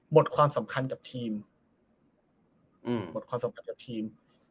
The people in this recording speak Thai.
หมดความสำคัญกับทีม